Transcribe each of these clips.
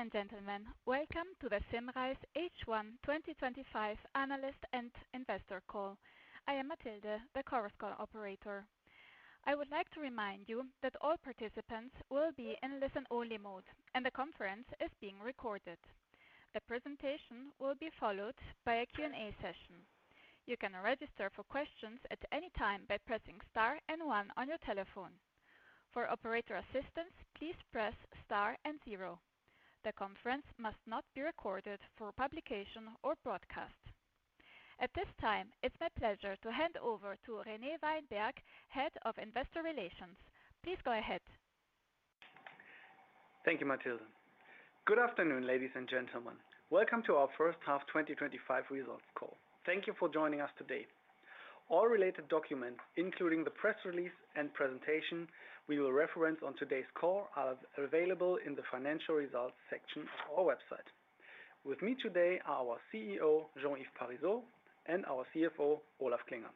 Ladies and gentlemen, welcome to the Symrise H1 2025 Analyst and Investor Call. I am Matilda, the Coroscore Operator. I would like to remind you that all participants will be in listen-only mode, and the conference is being recorded. The presentation will be followed by a Q&A session. You can register for questions at any time by pressing star and one on your telephone. For operator assistance, please press star and zero. The conference must not be recorded for publication or broadcast. At this time, it is my pleasure to hand over to René Weinberg, Head of Investor Relations. Please go ahead. Thank you, Matilda. Good afternoon, ladies and gentlemen. Welcome to our First Half 2025 Results Call. Thank you for joining us today. All related documents, including the press release and presentation we will reference on today's call, are available in the Financial Results section of our website. With me today are our CEO, Jean-Yves Parisot, and our CFO, Olaf Klinger.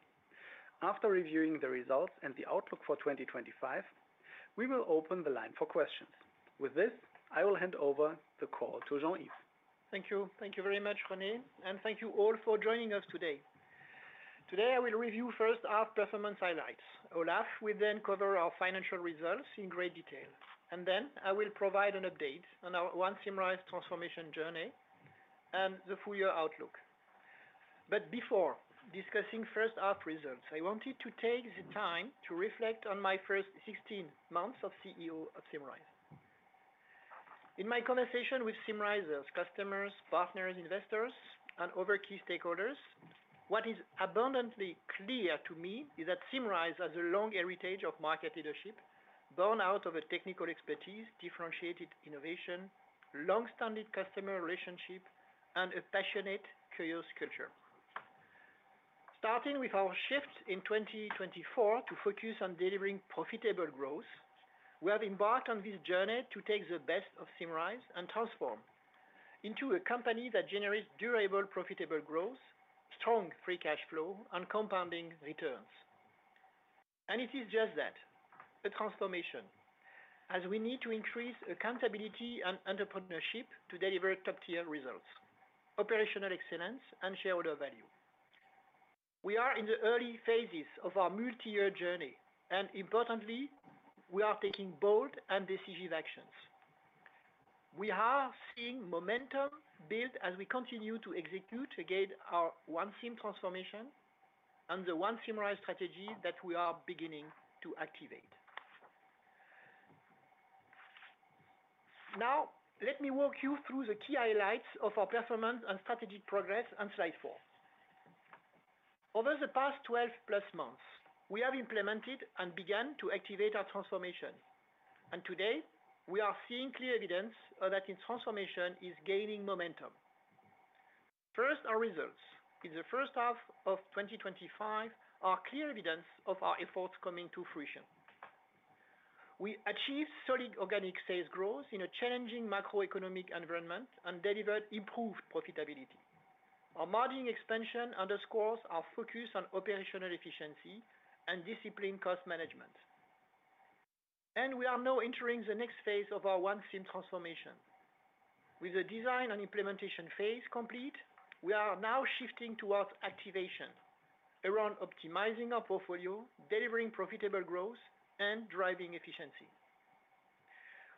After reviewing the results and the outlook for 2025, we will open the line for questions. With this, I will hand over the call to Jean-Yves. Thank you. Thank you very much, René, and thank you all for joining us today. Today, I will review first half performance highlights. Olaf will then cover our financial results in great detail, and then I will provide an update on our ONE Symrise Transformation journey and the full year outlook. Before discussing first half results, I wanted to take the time to reflect on my first 16 months as CEO of Symrise. In my conversation with Symrise's customers, partners, investors, and other key stakeholders, what is abundantly clear to me is that Symrise has a long heritage of market leadership borne out of technical expertise, differentiated innovation, long-standing customer relationships, and a passionate, curious culture. Starting with our shift in 2024 to focus on delivering profitable growth, we have embarked on this journey to take the best of Symrise and transform into a company that generates durable, profitable growth, strong free cash flow, and compounding returns. It is just that, a transformation, as we need to increase accountability and entrepreneurship to deliver top-tier results, operational excellence, and shareholder value. We are in the early phases of our multi-year journey, and importantly, we are taking bold and decisive actions. We are seeing momentum build as we continue to execute against our ONE SYM transformation and the ONE Symrise strategy that we are beginning to activate. Now, let me walk you through the key highlights of our performance and strategic progress on slide four. Over the past 12 plus months, we have implemented and begun to activate our transformation, and today, we are seeing clear evidence that this transformation is gaining momentum. First, our results. In the first half of 2025, we see clear evidence of our efforts coming to fruition. We achieved solid organic sales growth in a challenging macroeconomic environment and delivered improved profitability. Our margin expansion underscores our focus on operational efficiency and disciplined cost management. We are now entering the next phase of our ONE SYM transformation. With the design and implementation phase complete, we are now shifting towards activation around optimizing our portfolio, delivering profitable growth, and driving efficiency.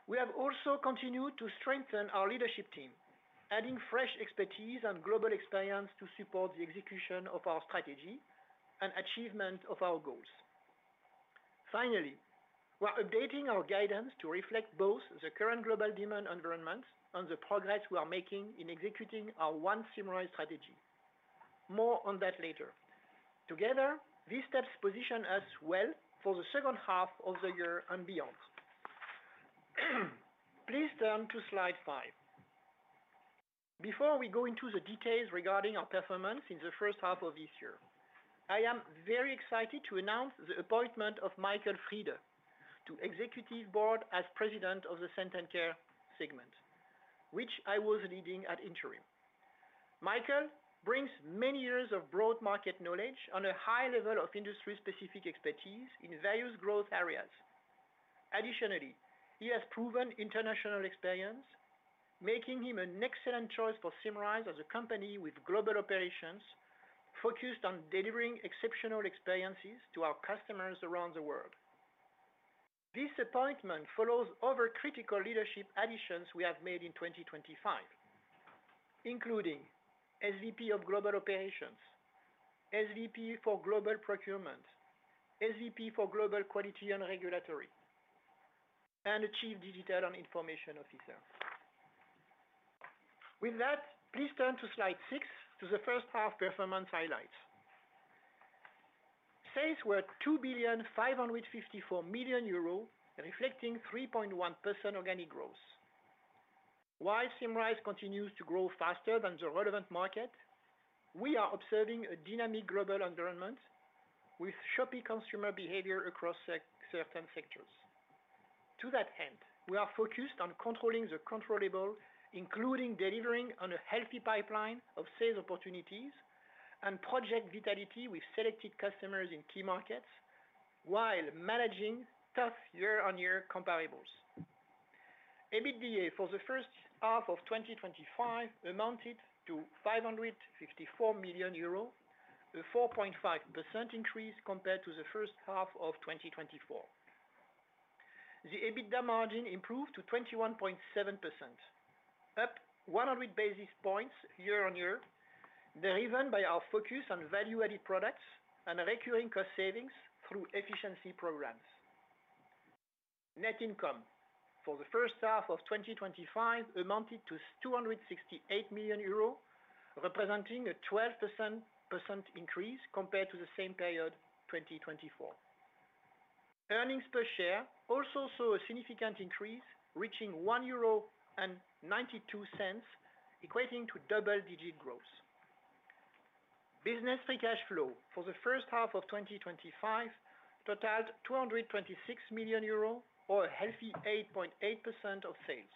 We have also continued to strengthen our leadership team, adding fresh expertise and global experience to support the execution of our strategy and achievement of our goals. Finally, we are updating our guidance to reflect both the current global demand environment and the progress we are making in executing our ONE Symrise strategy. More on that later. Together, these steps position us well for the second half of the year and beyond. Please turn to slide five. Before we go into the details regarding our performance in the first half of this year, I am very excited to announce the appointment of Michael Friede to the Executive Board as President of the Scent & Care segment, which I was leading at interim. Michael brings many years of broad market knowledge and a high level of industry-specific expertise in various growth areas. Additionally, he has proven international experience, making him an excellent choice for Symrise as a company with global operations focused on delivering exceptional experiences to our customers around the world. This appointment follows other critical leadership additions we have made in 2025, including SVP of Global Operations, SVP for Global Procurement, SVP for Global Quality and Regulatory, and Chief Digital and Information Officer. With that, please turn to slide six to the first half performance highlights. Sales were 2,554 million euros, reflecting 3.1% organic growth. While Symrise continues to grow faster than the relevant market, we are observing a dynamic global environment with shifting consumer behavior across certain sectors. To that end, we are focused on controlling the controllable, including delivering on a healthy pipeline of sales opportunities and project vitality with selected customers in key markets while managing tough year-on-year comparables. EBITDA for the first half of 2025 amounted to 554 million euros, a 4.5% increase compared to the first half of 2024. The EBITDA margin improved to 21.7%, up 100 basis points year-on-year, driven by our focus on value-added products and recurring cost savings through efficiency programs. Net income for the first half of 2025 amounted to 268 million euros, representing a 12% increase compared to the same period, 2024. Earnings per share also saw a significant increase, reaching 1.92 euro, equating to double-digit growth. Business free cash flow for the first half of 2025 totaled 226 million euros, or a healthy 8.8% of sales.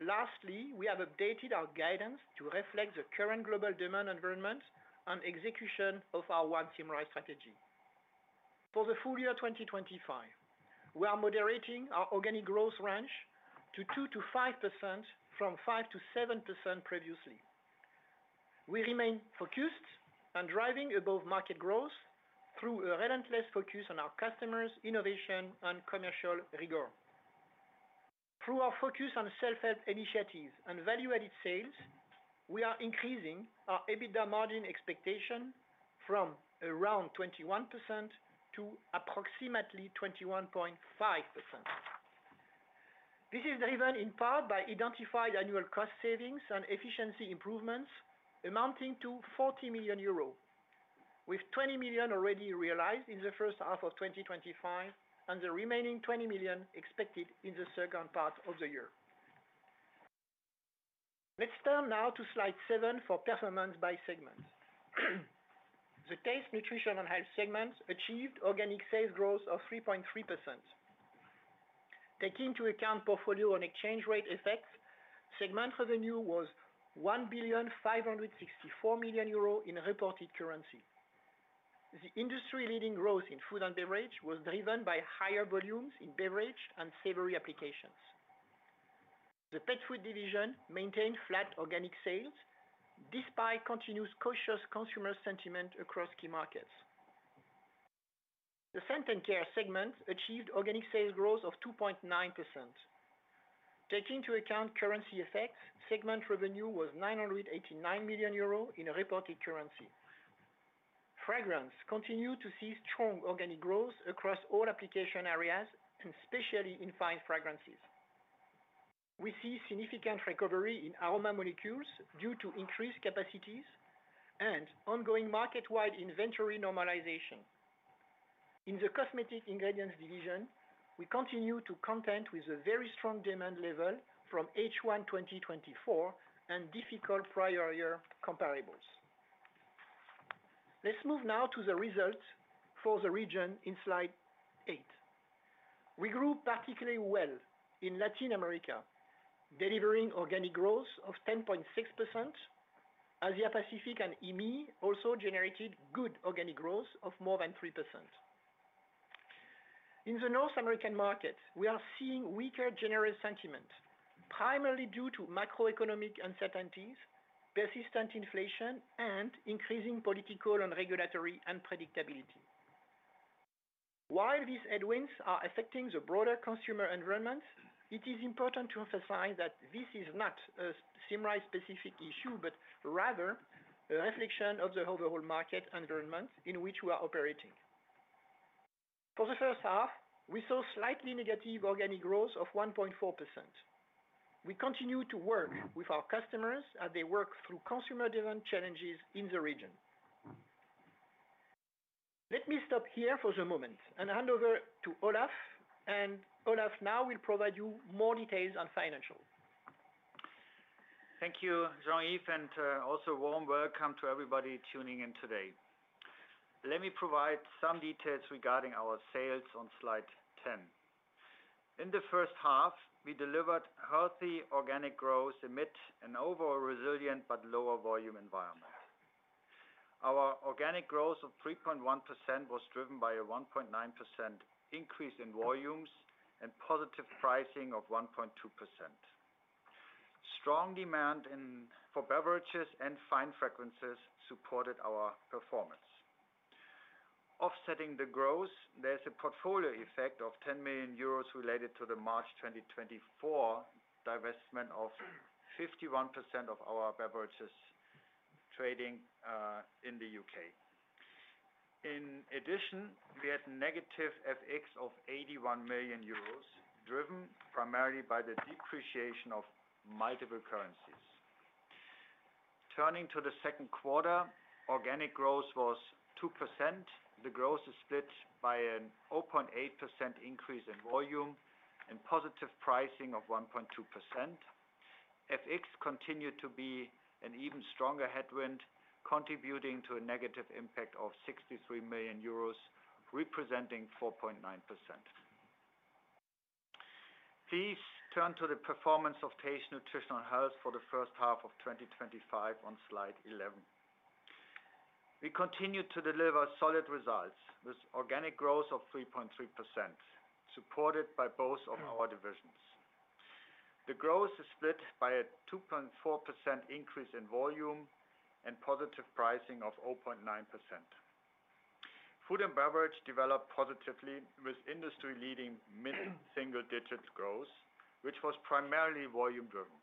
Lastly, we have updated our guidance to reflect the current global demand environment and execution of our ONE Symrise strategy. For the full year 2025, we are moderating our organic growth range to 2%-5% from 5%-7% previously. We remain focused on driving above market growth through a relentless focus on our customers, innovation, and commercial rigor. Through our focus on self-help initiatives and value-added sales, we are increasing our EBITDA margin expectation from around 21% to approximately 21.5%. This is driven in part by identified annual cost savings and efficiency improvements amounting to 40 million euros, with 20 million already realized in the first half of 2025 and the remaining 20 million expected in the second part of the year. Let's turn now to slide seven for performance by segment. The Taste, Nutrition & Health segment achieved organic sales growth of 3.3%. Taking into account portfolio and exchange rate effects, segment revenue was 1,564 million euro in reported currency. The industry-leading growth in Food & Beverage was driven by higher volumes in beverage and savory applications. The Pet Food division maintained flat organic sales despite continuous cautious consumer sentiment across key markets. The Scent & Care segment achieved organic sales growth of 2.9%. Taking into account currency effects, segment revenue was 989 million euro in reported currency. Fragrance continued to see strong organic growth across all application areas, and especially in fine fragrances. We see significant recovery in aroma molecules due to increased capacities and ongoing market-wide inventory normalization. In the cosmetic ingredients division, we continue to contend with a very strong demand level from the H1 2024 and difficult prior-year comparables. Let's move now to the results for the region in slide eight. We grew particularly well in Latin America, delivering organic growth of 10.6%. Asia-Pacific and EMEA also generated good organic growth of more than 3%. In the North American market, we are seeing weaker general sentiment, primarily due to macroeconomic uncertainties, persistent inflation, and increasing political and regulatory unpredictability. While these headwinds are affecting the broader consumer environment, it is important to emphasize that this is not a Symrise-specific issue, but rather a reflection of the overall market environment in which we are operating. For the first half, we saw slightly negative organic growth of 1.4%. We continue to work with our customers as they work through consumer-driven challenges in the region. Let me stop here for the moment and hand over to Olaf, and Olaf now will provide you more details on financials. Thank you, Jean-Yves, and also a warm welcome to everybody tuning in today. Let me provide some details regarding our sales on slide 10. In the first half, we delivered healthy organic growth amid an overall resilient but lower-volume environment. Our organic growth of 3.1% was driven by a 1.9% increase in volumes and positive pricing of 1.2%. Strong demand for beverages and fine fragrances supported our performance. Offsetting the growth, there is a portfolio effect of 10 million euros related to the March 2024 divestment of 51% of our beverages trading in the U.K. In addition, we had a negative FX of 81 million euro, driven primarily by the depreciation of multiple currencies. Turning to the second quarter, organic growth was 2%. The growth is split by a 0.8% increase in volume and positive pricing of 1.2%. FX continued to be an even stronger headwind, contributing to a negative impact of 63 million euros, representing 4.9%. Please turn to the performance of Taste, Nutrition & Health for the first half of 2025 on slide 11. We continue to deliver solid results with organic growth of 3.3%, supported by both of our divisions. The growth is split by a 2.4% increase in volume and positive pricing of 0.9%. Food & Beverage developed positively with industry-leading mid-single-digit growth, which was primarily volume-driven.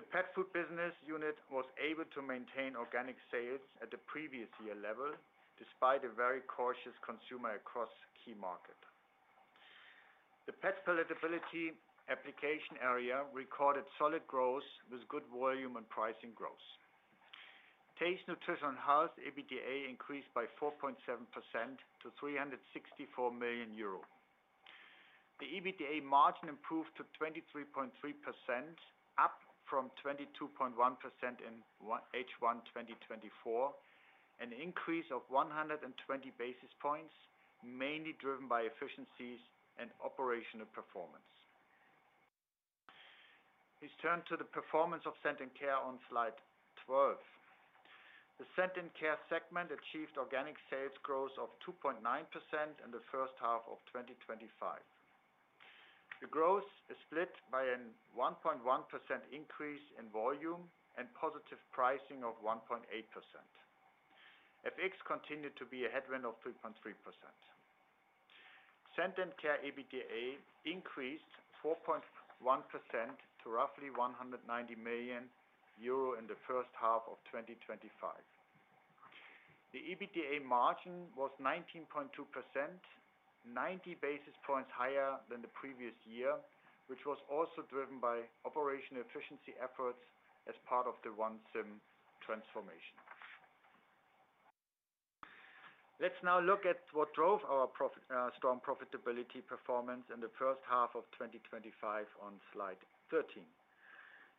The Pet Food business unit was able to maintain organic sales at the previous year level, despite a very cautious consumer across key markets. The Pet Palatability application area recorded solid growth with good volume and pricing growth. Taste, Nutrition & Health EBITDA increased by 4.7% to 364 million euro. The EBITDA margin improved to 23.3%, up from 22.1% in H1 2024, an increase of 120 basis points, mainly driven by efficiencies and operational performance. Let's turn to the performance of Scent & Care on slide 12. The Scent & Care segment achieved organic sales growth of 2.9% in the first half of 2025. The growth is split by a 1.1% increase in volume and positive pricing of 1.8%. FX continued to be a headwind of 3.3%. Scent & Care EBITDA increased 4.1% to roughly 190 million euro in the first half of 2025. The EBITDA margin was 19.2%, 90 basis points higher than the previous year, which was also driven by operational efficiency efforts as part of the ONE SYM transformation. Let's now look at what drove our strong profitability performance in the first half of 2025 on slide 13.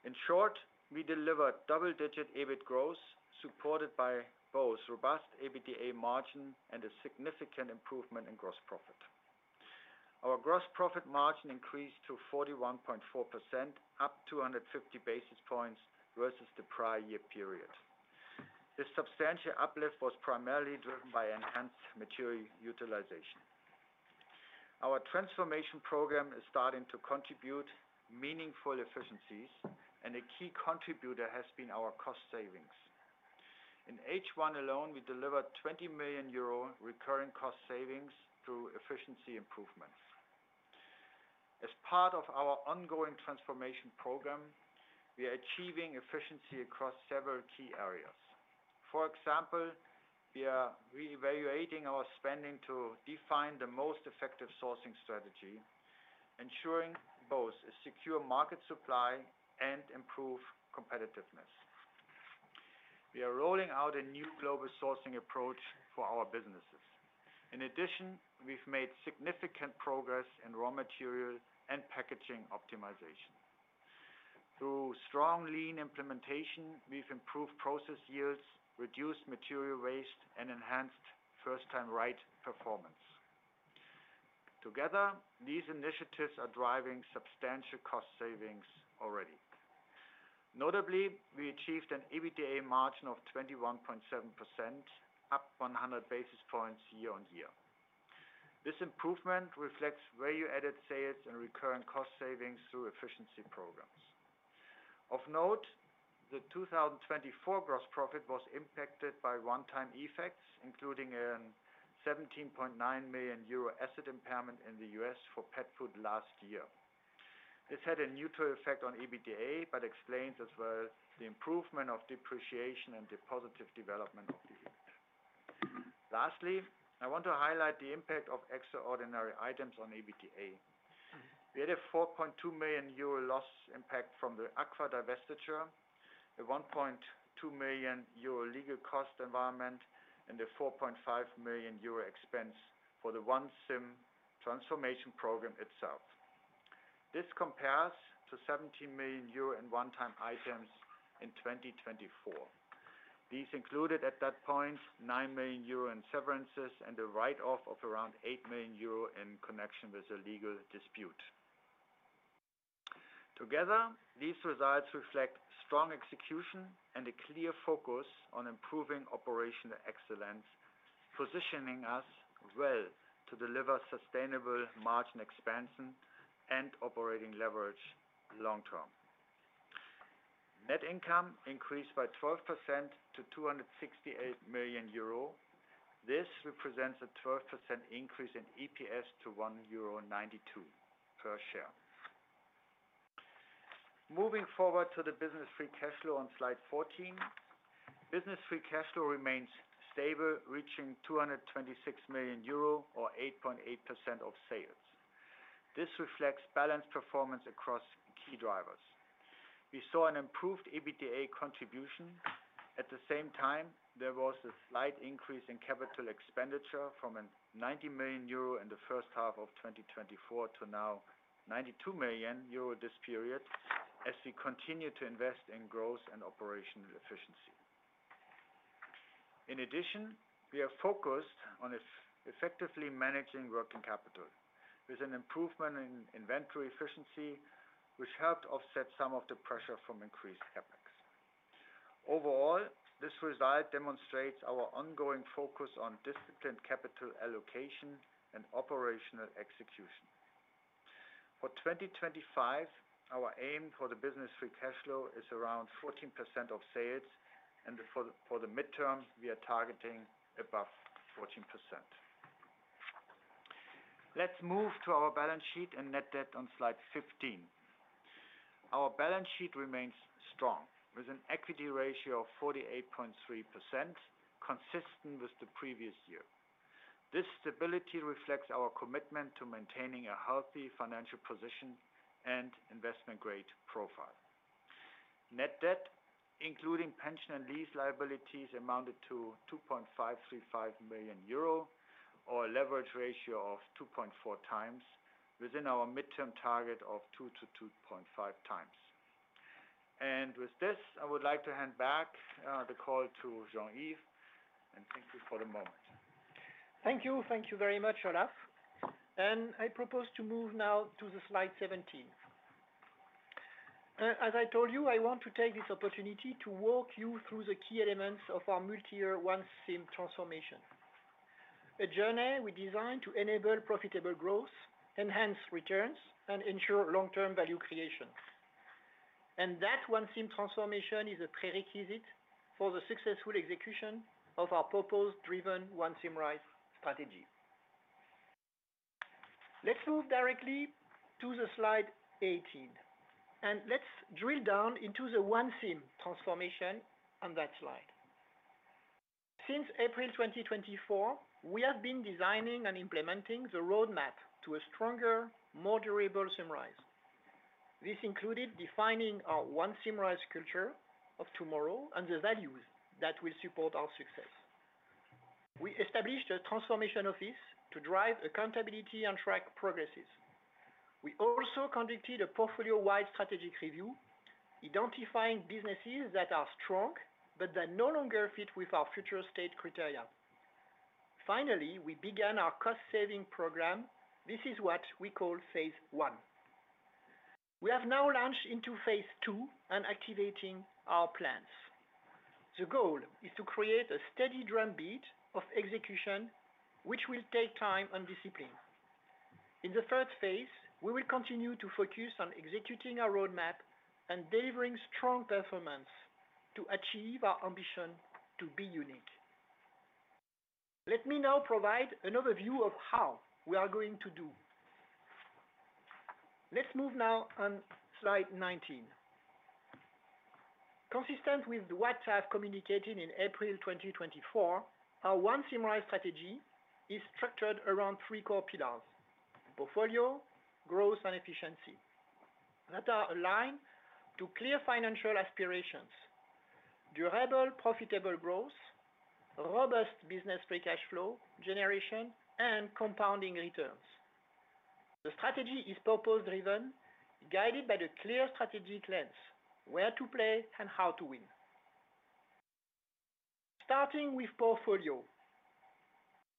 In short, we delivered double-digit EBIT growth supported by both robust EBITDA margin and a significant improvement in gross profit. Our gross profit margin increased to 41.4%, up 250 basis points versus the prior year period. This substantial uplift was primarily driven by enhanced material utilization. Our transformation program is starting to contribute meaningful efficiencies, and a key contributor has been our cost savings. In H1 alone, we delivered 20 million euro recurring cost savings through efficiency improvements. As part of our ongoing transformation program, we are achieving efficiency across several key areas. For example, we are reevaluating our spending to define the most effective sourcing strategy, ensuring both a secure market supply and improved competitiveness. We are rolling out a new global sourcing approach for our businesses. In addition, we have made significant progress in raw material and packaging optimization. Through strong lean implementation, we have improved process yields, reduced material waste, and enhanced first-time right performance. Together, these initiatives are driving substantial cost savings already. Notably, we achieved an EBITDA margin of 21.7%, up 100 basis points year-on-year. This improvement reflects value-added sales and recurring cost savings through efficiency programs. Of note, the 2024 gross profit was impacted by runtime effects, including a 17.9 million euro asset impairment in the U.S. for Pet Food last year. This had a neutral effect on EBITDA but explains as well the improvement of depreciation and the positive development of the EBITDA. Lastly, I want to highlight the impact of extraordinary items on EBITDA. We had a 4.2 million euro loss impact from the Aqua divestiture, a 1.2 million euro legal cost environment, and a 4.5 million euro expense for the ONE SYM transformation program itself. This compares to 17 million euro in one-time items in 2024. These included at that point 9 million euro in severances and a write-off of around 8 million euro in connection with a legal dispute. Together, these results reflect strong execution and a clear focus on improving operational excellence, positioning us well to deliver sustainable margin expansion and operating leverage long term. Net income increased by 12% to 268 million euro. This represents a 12% increase in EPS to 1.92 euro per share. Moving forward to the business free cash flow on slide 14. Business free cash flow remains stable, reaching 226 million euro, or 8.8% of sales. This reflects balanced performance across key drivers. We saw an improved EBITDA contribution. At the same time, there was a slight increase in capital expenditure from 90 million euro in the first half of 2024 to now 92 million euro this period, as we continue to invest in growth and operational efficiency. In addition, we are focused on effectively managing working capital, with an improvement in inventory efficiency, which helped offset some of the pressure from increased CapEx. Overall, this result demonstrates our ongoing focus on disciplined capital allocation and operational execution. For 2025, our aim for the business free cash flow is around 14% of sales, and for the midterm, we are targeting above 14%. Let's move to our balance sheet and net debt on slide 15. Our balance sheet remains strong, with an equity ratio of 48.3%, consistent with the previous year. This stability reflects our commitment to maintaining a healthy financial position and investment-grade profile. Net debt, including pension and lease liabilities, amounted to 2,535 million euro, or a leverage ratio of 2.4 times, within our midterm target of 2-2.5 times. With this, I would like to hand back the call to Jean-Yves and thank you for the moment. Thank you. Thank you very much, Olaf. I propose to move now to slide 17. As I told you, I want to take this opportunity to walk you through the key elements of our multi-year ONE SYM transformation. A journey we designed to enable profitable growth, enhance returns, and ensure long-term value creation. That ONE SYM transformation is a prerequisite for the successful execution of our purpose-driven ONE Symrise strategy. Let's move directly to slide 18, and let's drill down into the ONE SYM transformation on that slide. Since April 2024, we have been designing and implementing the roadmap to a stronger, more durable Symrise. This included defining our ONE Symrise culture of tomorrow and the values that will support our success. We established a transformation office to drive accountability and track progress. We also conducted a portfolio-wide strategic review, identifying businesses that are strong but that no longer fit with our future state criteria. Finally, we began our cost-saving program. This is what we call phase I. We have now launched into phase II and are activating our plans. The goal is to create a steady drumbeat of execution, which will take time and discipline. In the first phase, we will continue to focus on executing our roadmap and delivering strong performance to achieve our ambition to be unique. Let me now provide an overview of how we are going to do this. Let's move now to slide 19. Consistent with what I communicated in April 2024, our ONE Symrise strategy is structured around three core pillars: portfolio, growth, and efficiency. These are aligned to clear financial aspirations. Durable, profitable growth. Robust business free cash flow generation, and compounding returns. The strategy is purpose-driven, guided by the clear strategic lens: where to play and how to win. Starting with portfolio.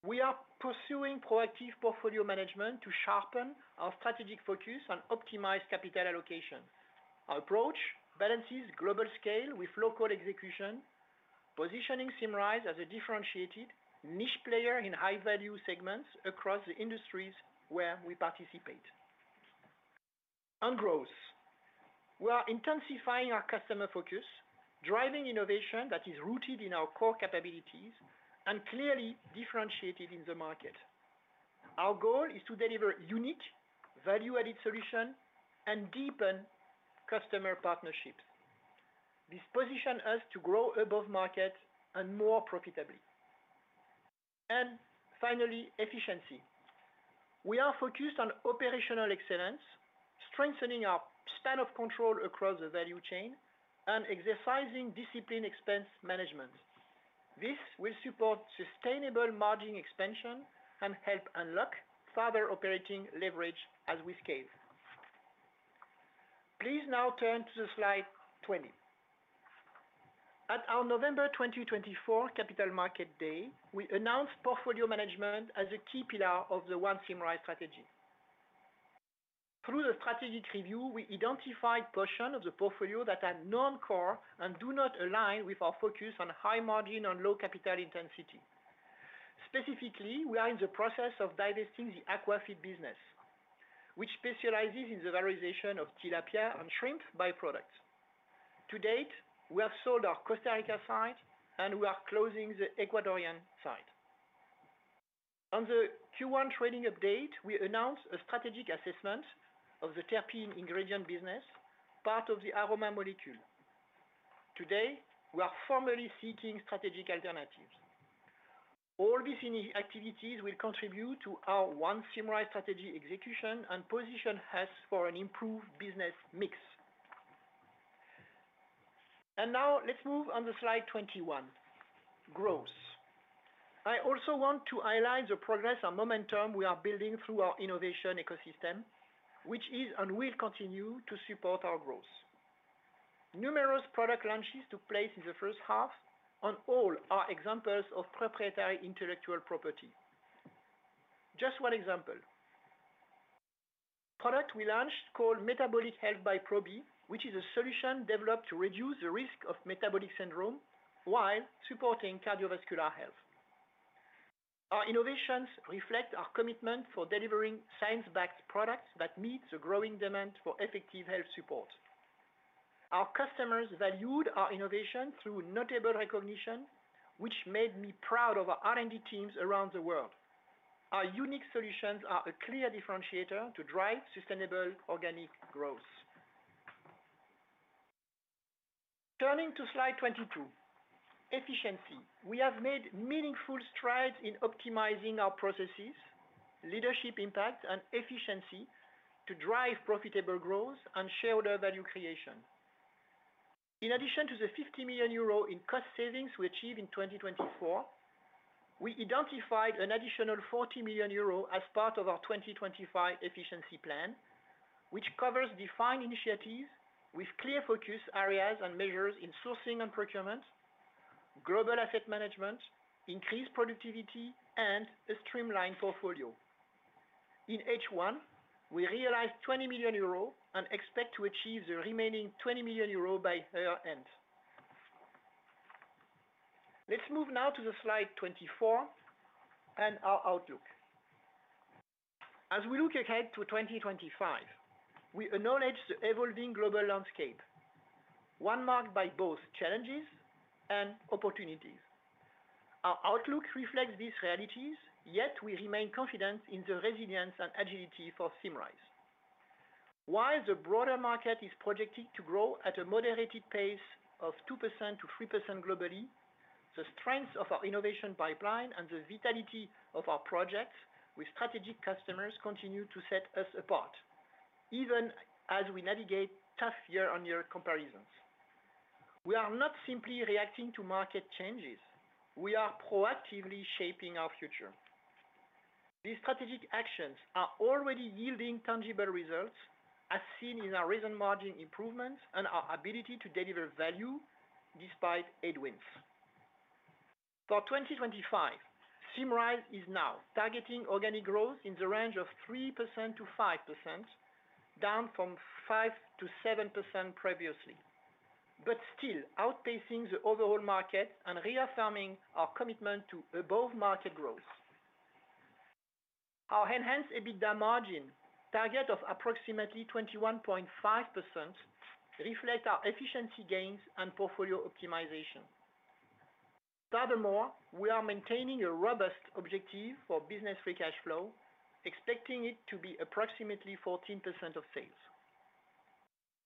We are pursuing proactive portfolio management to sharpen our strategic focus and optimize capital allocation. Our approach balances global scale with local execution, positioning Symrise as a differentiated niche player in high-value segments across the industries where we participate. For growth, we are intensifying our customer focus, driving innovation that is rooted in our core capabilities and clearly differentiated in the market. Our goal is to deliver unique value-added solutions and deepen customer partnerships. This positions us to grow above market and more profitably. Finally, efficiency. We are focused on operational excellence, strengthening our span of control across the value chain, and exercising disciplined expense management. This will support sustainable margin expansion and help unlock further operating leverage as we scale. Please now turn to slide 20. At our November 2024 Capital Market Day, we announced portfolio management as a key pillar of the ONE Symrise strategy. Through the strategic review, we identified portions of the portfolio that are non-core and do not align with our focus on high margin and low capital intensity. Specifically, we are in the process of divesting the Aqua fit business, which specializes in the valorization of tilapia and shrimp by-products. To date, we have sold our Costa Rica side, and we are closing the Ecuadorian side. On the Q1 trading update, we announced a strategic assessment of the terpene ingredients business, part of the aroma molecules. Today, we are formally seeking strategic alternatives. All these activities will contribute to our ONE Symrise strategy execution and position us for an improved business mix. Now let's move on to slide 21. Growth. I also want to highlight the progress and momentum we are building through our innovation ecosystem, which is and will continue to support our growth. Numerous product launches took place in the first half, and all are examples of proprietary intellectual property. Just one example: a product we launched called Metabolic Health by Probi, which is a solution developed to reduce the risk of metabolic syndrome while supporting cardiovascular health. Our innovations reflect our commitment to delivering science-backed products that meet the growing demand for effective health support. Our customers valued our innovation through notable recognition, which made me proud of our R&D teams around the world. Our unique solutions are a clear differentiator to drive sustainable organic growth. Turning to slide 22. Efficiency. We have made meaningful strides in optimizing our processes, leadership impact, and efficiency to drive profitable growth and shareholder value creation. In addition to the 50 million euro in cost savings we achieved in 2024, we identified an additional 40 million euro as part of our 2025 efficiency plan, which covers defined initiatives with clear focus areas and measures in sourcing and procurement, global asset management, increased productivity, and a streamlined portfolio. In H1, we realized 20 million euros and expect to achieve the remaining 20 million euros by year-end. Let's move now to slide 24. Our outlook. As we look ahead to 2025, we acknowledge the evolving global landscape, one marked by both challenges and opportunities. Our outlook reflects these realities, yet we remain confident in the resilience and agility for Symrise. While the broader market is projected to grow at a moderated pace of 2%-3% globally, the strength of our innovation pipeline and the vitality of our projects with strategic customers continue to set us apart, even as we navigate tough year-on-year comparisons. We are not simply reacting to market changes. We are proactively shaping our future. These strategic actions are already yielding tangible results, as seen in our recent margin improvements and our ability to deliver value despite headwinds. For 2025, Symrise is now targeting organic growth in the range of 3%-5%. Down from 5%-7% previously, but still outpacing the overall market and reaffirming our commitment to above-market growth. Our enhanced EBITDA margin target of approximately 21.5% reflects our efficiency gains and portfolio optimization. Furthermore, we are maintaining a robust objective for business free cash flow, expecting it to be approximately 14% of sales.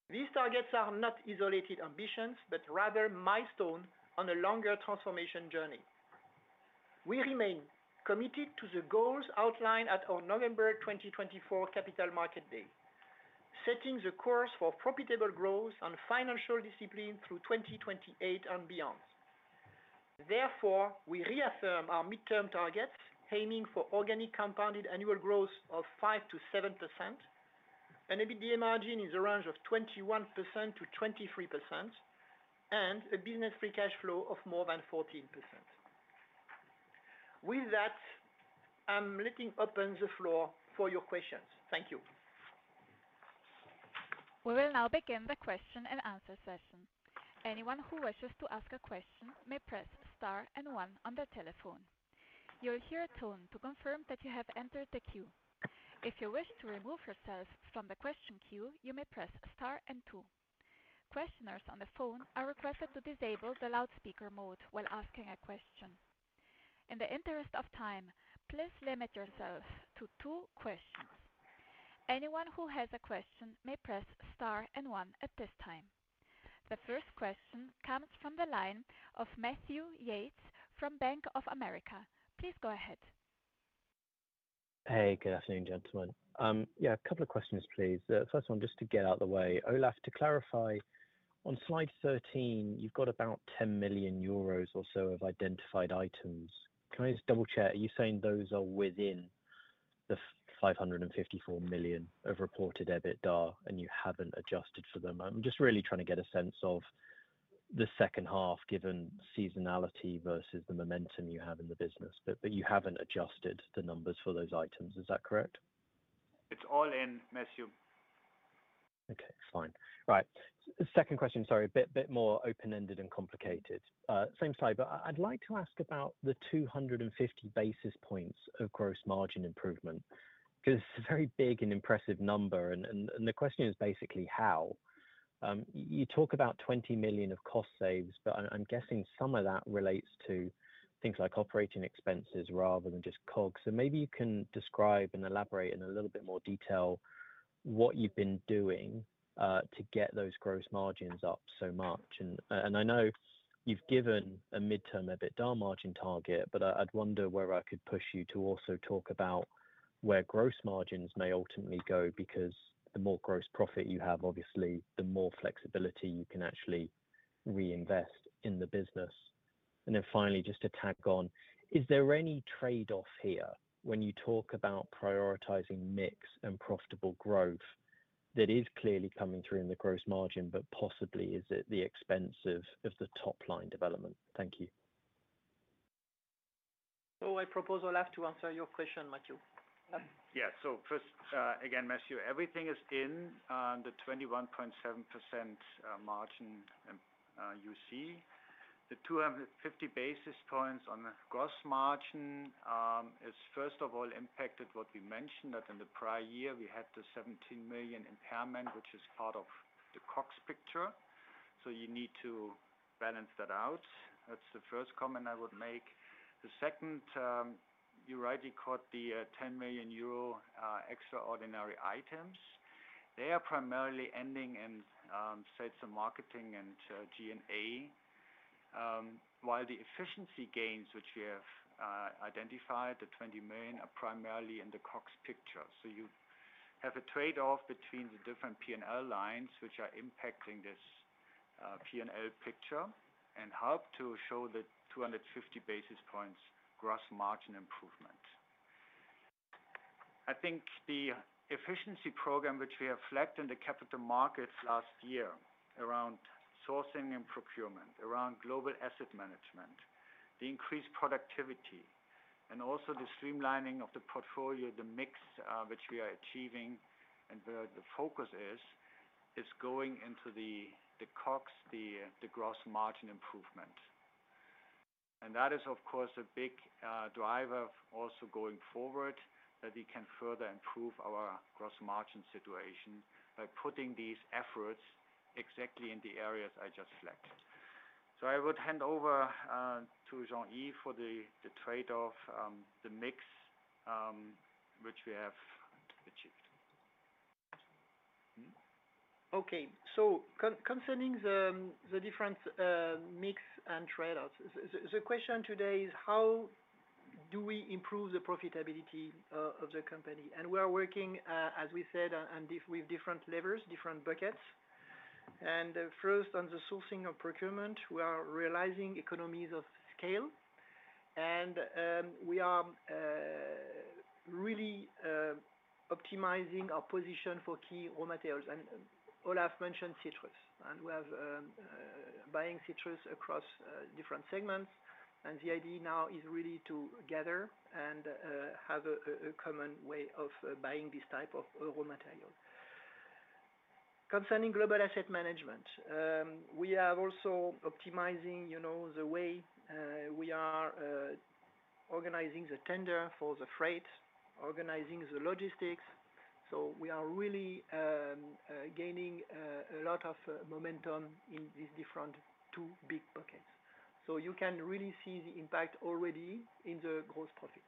These targets are not isolated ambitions, but rather milestones on a longer transformation journey. We remain committed to the goals outlined at our November 2024 Capital Market Day, setting the course for profitable growth and financial discipline through 2028 and beyond. Therefore, we reaffirm our midterm targets, aiming for organic compounded annual growth of 5%-7%, an EBITDA margin in the range of 21%-23%, and a business free cash flow of more than 14%. With that, I'm letting open the floor for your questions. Thank you. We will now begin the question and answer session. Anyone who wishes to ask a question may press star and one on the telephone. You'll hear a tone to confirm that you have entered the queue. If you wish to remove yourself from the question queue, you may press star and two. Questioners on the phone are requested to disable the loudspeaker mode while asking a question. In the interest of time, please limit yourself to two questions. Anyone who has a question may press star and one at this time. The first question comes from the line of Matthew Yates from Bank of America. Please go ahead. Hey, good afternoon, gentlemen. Yeah, a couple of questions, please. First one, just to get out of the way, Olaf, to clarify, on slide 13, you have about 10 million euros or so of identified items. Can I just double-check? Are you saying those are within the 554 million of reported EBITDA, and you have not adjusted for them? I am just really trying to get a sense of the second half, given seasonality versus the momentum you have in the business, but you have not adjusted the numbers for those items. Is that correct? It's all in, Matthew. Okay, fine. Right. Second question, sorry, a bit more open-ended and complicated. Same slide, but I'd like to ask about the 250 basis points of gross margin improvement, because it's a very big and impressive number, and the question is basically how. You talk about 20 million of cost saves, but I'm guessing some of that relates to things like operating expenses rather than just COGS. Maybe you can describe and elaborate in a little bit more detail what you've been doing to get those gross margins up so much. I know you've given a midterm EBITDA margin target, but I'd wonder where I could push you to also talk about where gross margins may ultimately go, because the more gross profit you have, obviously, the more flexibility you can actually reinvest in the business. Finally, just to tag on, is there any trade-off here when you talk about prioritizing mix and profitable growth that is clearly coming through in the gross margin, but possibly is it at the expense of the top line development? Thank you. I propose Olaf to answer your question, Matthew. Yeah, so first, again, Matthew, everything is in the 21.7% margin. You see, the 250 basis points on the gross margin is, first of all, impacted by what we mentioned that in the prior year we had the 17 million impairment, which is part of the COGS picture. You need to balance that out. That is the first comment I would make. The second, you rightly caught the 10 million euro extraordinary items. They are primarily ending in sales and marketing and G&A, while the efficiency gains which we have identified, the 20 million, are primarily in the COGS picture. You have a trade-off between the different P&L lines, which are impacting this P&L picture and help to show the 250 basis points gross margin improvement. I think the efficiency program, which we have flagged in the capital markets last year, around sourcing and procurement, around global asset management, the increased productivity, and also the streamlining of the portfolio, the mix which we are achieving and where the focus is, is going into the COGS, the gross margin improvement. That is, of course, a big driver also going forward that we can further improve our gross margin situation by putting these efforts exactly in the areas I just flagged. I would hand over to Jean-Yves for the trade-off, the mix, which we have achieved. Okay, so concerning the different mix and trade-offs, the question today is, how do we improve the profitability of the company? We are working, as we said, with different levers, different buckets. First, on the sourcing of procurement, we are realizing economies of scale. We are really optimizing our position for key raw materials. Olaf mentioned citrus, and we are buying citrus across different segments. The idea now is really to gather and have a common way of buying this type of raw materials. Concerning global asset management, we are also optimizing the way we are organizing the tender for the freight, organizing the logistics. We are really gaining a lot of momentum in these different two big buckets. You can really see the impact already in the gross profit.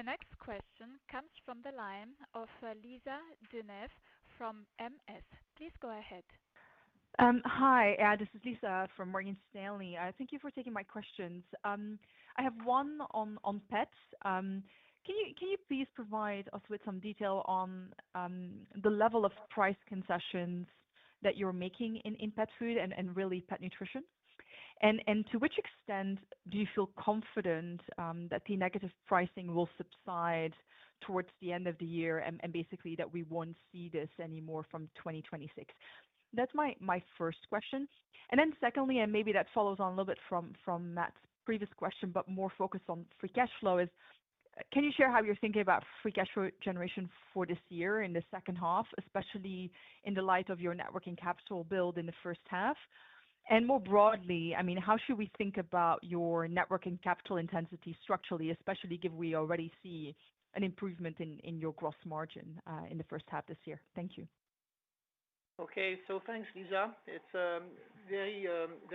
The next question comes from the line of Lisa De Neve from MS. Please go ahead. Hi, this is Lisa from Morgan Stanley. Thank you for taking my questions. I have one on pets. Can you please provide us with some detail on the level of price concessions that you're making in Pet Food and really Pet Nutrition? And to which extent do you feel confident that the negative pricing will subside towards the end of the year and basically that we won't see this anymore from 2026? That's my first question. Then secondly, and maybe that follows on a little bit from Matt's previous question, but more focused on free cash flow, is can you share how you're thinking about free cash flow generation for this year in the second half, especially in the light of your networking capital build in the first half? And more broadly, I mean, how should we think about your networking capital intensity structurally, especially given we already see an improvement in your gross margin in the first half this year? Thank you. Okay, thanks, Lisa. It's a very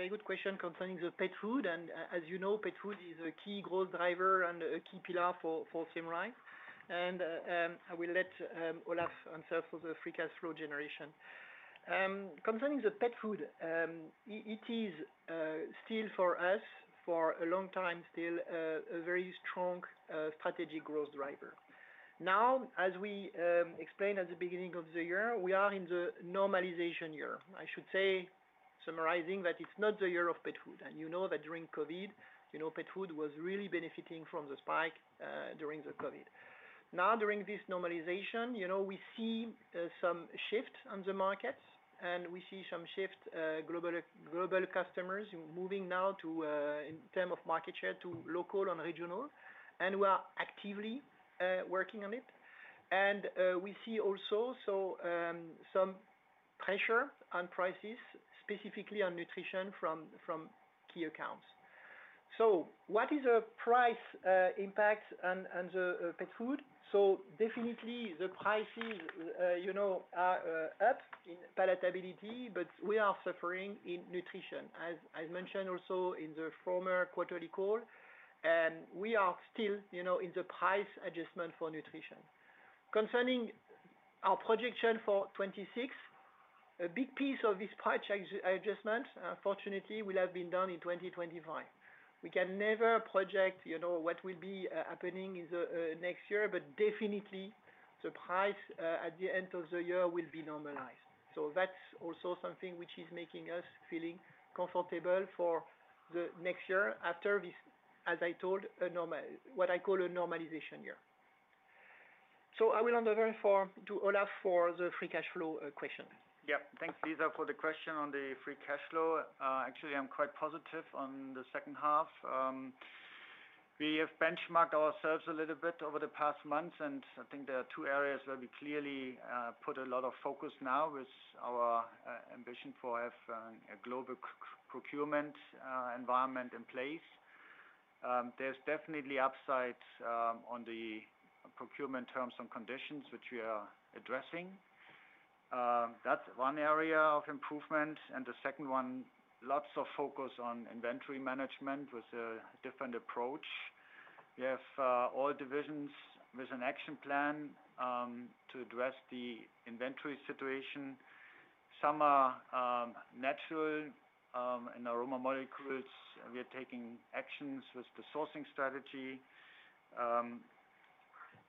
good question concerning the Pet Food. As you know, Pet Food is a key growth driver and a key pillar for Symrise. I will let Olaf answer for the free cash flow generation. Concerning the Pet Food, it is still for us, for a long time still, a very strong strategic growth driver. Now, as we explained at the beginning of the year, we are in the normalization year. I should say, summarizing that it's not the year of Pet Food. You know that during COVID, Pet Food was really benefiting from the spike during the COVID. Now, during this normalization, we see some shift on the markets, and we see some shift, global customers moving now in terms of market share to local and regional. We are actively working on it. We see also some pressure on prices, specifically on nutrition from key accounts. What is a price impact on the Pet Food? Definitely the prices are up in Palatability, but we are suffering in nutrition. As mentioned also in the former quarterly call, we are still in the price adjustment for nutrition. Concerning our projection for 2026, a big piece of this price adjustment, fortunately, will have been done in 2025. We can never project what will be happening in the next year, but definitely the price at the end of the year will be normalized. That's also something which is making us feel comfortable for the next year after this, as I told, what I call a normalization year. I will hand over to Olaf for the free cash flow question. Yeah, thanks, Lisa, for the question on the free cash flow. Actually, I'm quite positive on the second half. We have benchmarked ourselves a little bit over the past month, and I think there are two areas where we clearly put a lot of focus now with our ambition for a global procurement environment in place. There's definitely upside on the procurement terms and conditions, which we are addressing. That's one area of improvement. The second one, lots of focus on inventory management with a different approach. We have all divisions with an action plan to address the inventory situation. Some are natural. In aroma molecules, we are taking actions with the sourcing strategy.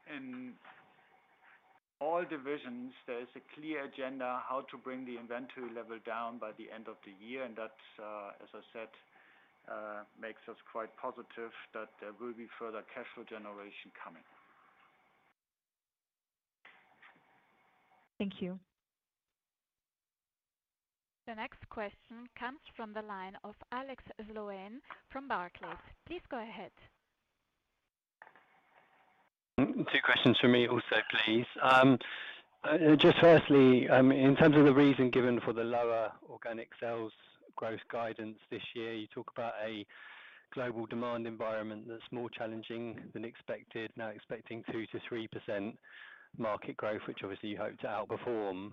In all divisions, there is a clear agenda how to bring the inventory level down by the end of the year. That, as I said, makes us quite positive that there will be further cash flow generation coming. Thank you. The next question comes from the line of Alex Sloane from Barclays. Please go ahead. Two questions for me also, please. Just firstly, in terms of the reason given for the lower organic sales growth guidance this year, you talk about a global demand environment that's more challenging than expected, now expecting 2%-3% market growth, which obviously you hope to outperform.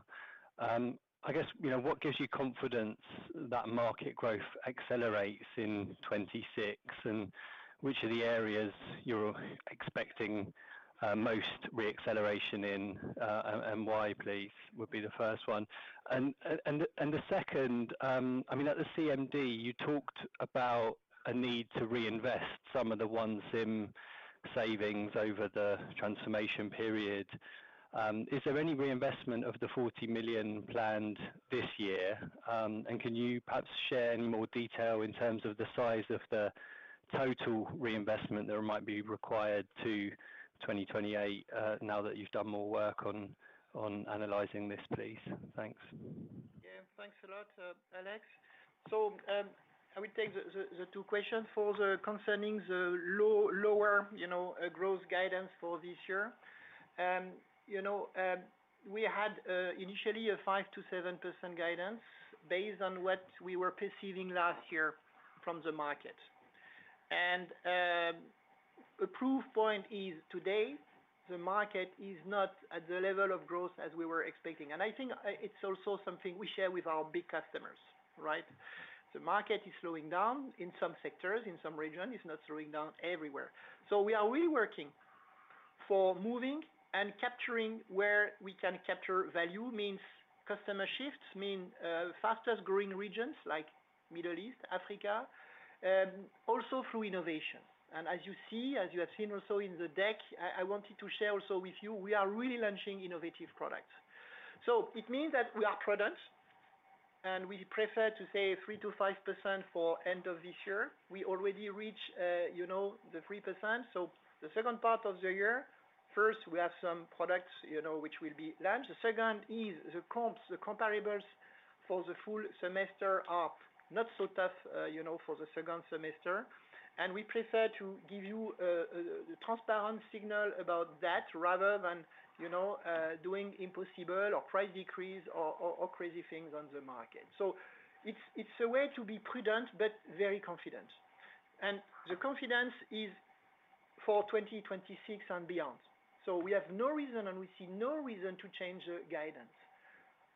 I guess, what gives you confidence that market growth accelerates in 2026? And which are the areas you're expecting most re-acceleration in? And why, please, would be the first one. The second, I mean, at the CMD, you talked about a need to reinvest some of the ONE SYM savings over the transformation period. Is there any reinvestment of the 40 million planned this year? And can you perhaps share any more detail in terms of the size of the total reinvestment that might be required to 2028, now that you've done more work on analyzing this, please? Thanks. Yeah, thanks a lot, Alex. I will take the two questions concerning the lower growth guidance for this year. We had initially a 5%-7% guidance based on what we were perceiving last year from the market. A proof point is today, the market is not at the level of growth as we were expecting. I think it's also something we share with our big customers, right? The market is slowing down in some sectors, in some regions. It's not slowing down everywhere. We are really working for moving and capturing where we can capture value, means customer shifts, means fastest growing regions like the Middle East, Africa. Also through innovation. As you see, as you have seen also in the deck, I wanted to share also with you, we are really launching innovative products. It means that we are products. We prefer to say 3%-5% for the end of this year. We already reach the 3%. The second part of the year, first, we have some products which will be launched. The second is the comps, the comparables for the full semester are not so tough for the second semester. We prefer to give you a transparent signal about that rather than doing impossible or price decrease or crazy things on the market. It's a way to be prudent but very confident. The confidence is for 2026 and beyond. We have no reason, and we see no reason to change the guidance.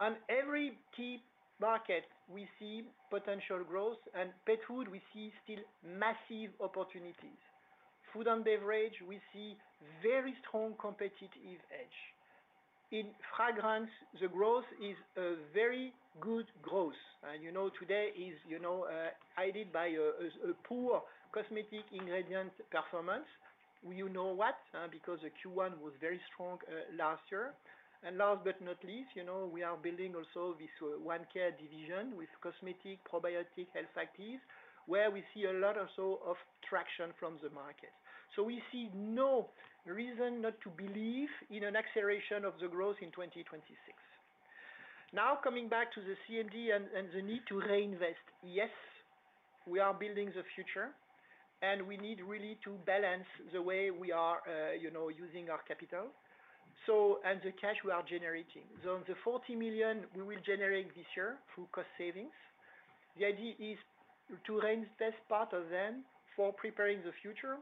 On every key market, we see potential growth. In Pet Food, we see still massive opportunities. Food & Beverage, we see very strong competitive edge. In fragrance, the growth is a very good growth. Today is aided by a poor cosmetic ingredient performance. You know what? Because the Q1 was very strong last year. Last but not least, we are building also this ONE CARE division with cosmetic probiotic health actives, where we see a lot of traction from the market. We see no reason not to believe in an acceleration of the growth in 2026. Now, coming back to the CMD and the need to reinvest. Yes, we are building the future. We need really to balance the way we are using our capital and the cash we are generating. The 40 million we will generate this year through cost savings, the idea is to reinvest part of them for preparing the future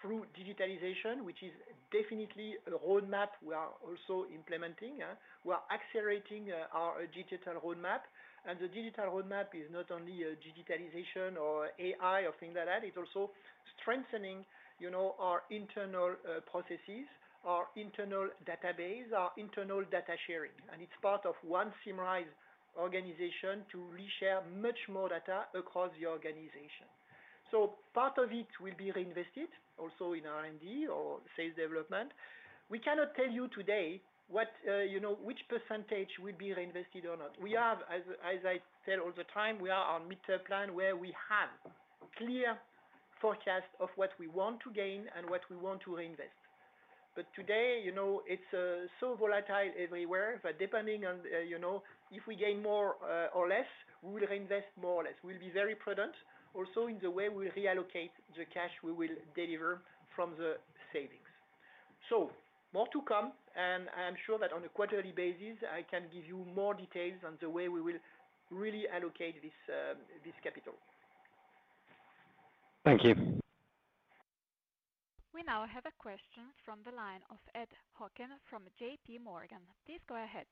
through digitalization, which is definitely a roadmap we are also implementing. We are accelerating our digital roadmap. The digital roadmap is not only digitalization or AI or things like that. It is also strengthening our internal processes, our internal database, our internal data sharing. It is part of ONE Symrise organization to reshare much more data across the organization. Part of it will be reinvested also in R&D or sales development. We cannot tell you today which percentage will be reinvested or not. As I tell all the time, we are on a mid-term plan where we have a clear forecast of what we want to gain and what we want to reinvest. Today, it is so volatile everywhere that depending on if we gain more or less, we will reinvest more or less. We will be very prudent also in the way we reallocate the cash we will deliver from the savings. More to come. I am sure that on a quarterly basis, I can give you more details on the way we will really allocate this capital. Thank you. We now have a question from the line of Ed Hockin from JPMorgan. Please go ahead.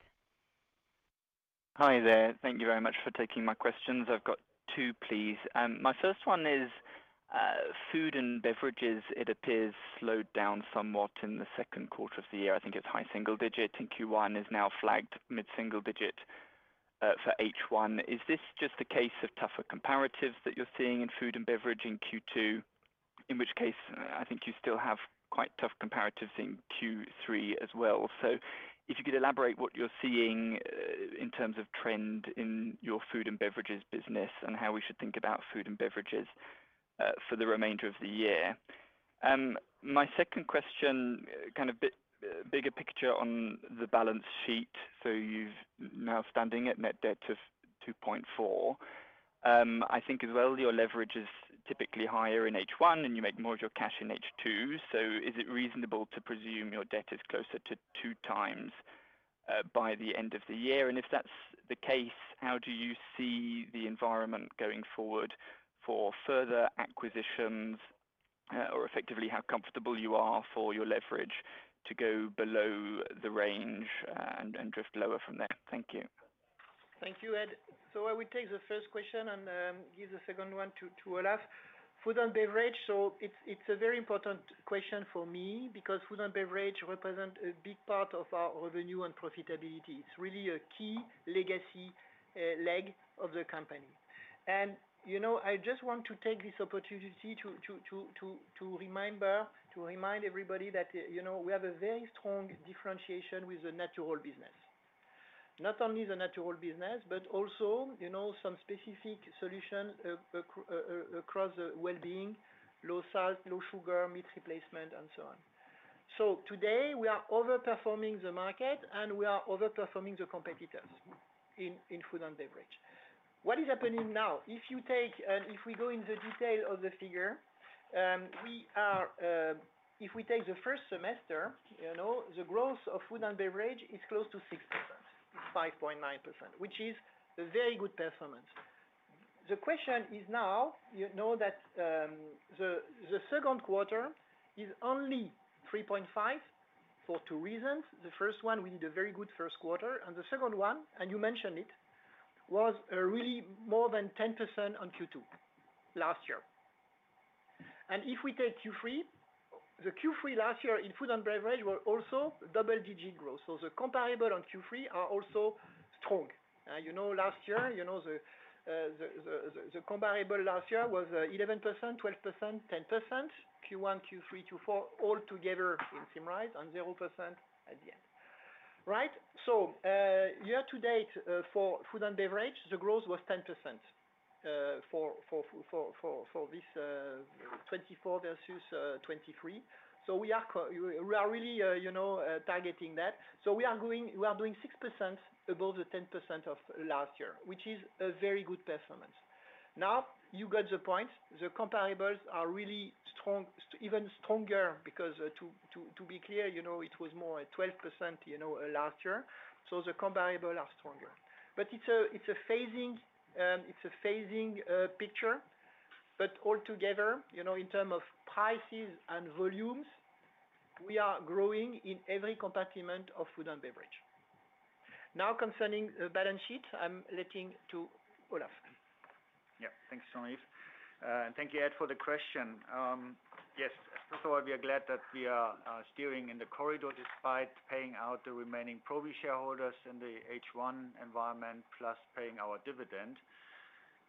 Hi there. Thank you very much for taking my questions. I've got two, please. My first one is. Food & Beverages, it appears slowed down somewhat in the second quarter of the year. I think it's high single digit. And Q1 is now flagged mid-single digit. For H1. Is this just the case of tougher comparatives that you're seeing in Food & Beverage in Q2? In which case, I think you still have quite tough comparatives in Q3 as well. If you could elaborate what you're seeing in terms of trend in your Food & Beverages business and how we should think about Food & Beverages for the remainder of the year. My second question, kind of a bigger picture on the balance sheet. You've now standing at net debt of 2.4. I think as well, your leverage is typically higher in H1 and you make more of your cash in H2. Is it reasonable to presume your debt is closer to two times by the end of the year? If that's the case, how do you see the environment going forward for further acquisitions. Or effectively how comfortable you are for your leverage to go below the range and drift lower from there? Thank you. Thank you, Ed. I will take the first question and give the second one to Olaf. Food & Beverage, it is a very important question for me because Food & Beverage represents a big part of our revenue and profitability. It is really a key legacy leg of the company. I just want to take this opportunity to remind everybody that we have a very strong differentiation with the natural business. Not only the natural business, but also some specific solutions across well-being, low salt, low sugar, meat replacement, and so on. Today, we are overperforming the market and we are overperforming the competitors in Food & Beverage. What is happening now? If you take and if we go in the detail of the figure, if we take the first semester, the growth of Food & Beverage is close to 6%, 5.9%, which is a very good performance. The question is now that the second quarter is only 3.5% for two reasons. The first one, we did a very good first quarter. The second one, and you mentioned it, was really more than 10% on Q2 last year. If we take Q3, the Q3 last year in Food & Beverage was also double-digit growth. The comparable on Q3 are also strong last year. The comparable last year was 11%, 12%, 10%. Q1, Q3, Q4, all together in Symrise on 0% at the end, right? Year to date for Food & Beverage, the growth was 10% for this 2024 versus 2023. We are really targeting that. We are doing 6% above the 10% of last year, which is a very good performance. You got the point. The comparables are really strong, even stronger because, to be clear, it was more at 12% last year. The comparable are stronger, but it is a phasing picture. Altogether, in terms of prices and volumes, we are growing in every compartment of Food & Beverage. Now, concerning the balance sheet, I am letting to Olaf. Yeah, thanks, Jean-Yves. And thank you, Ed, for the question. Yes, first of all, we are glad that we are steering in the corridor despite paying out the remaining Probi shareholders in the H1 environment, plus paying our dividend.